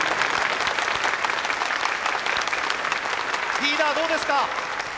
リーダーどうですか？